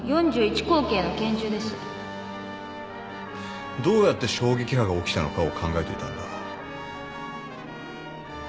４１口径の拳銃ですどうやって衝撃波が起きたのかを考えていたんだ。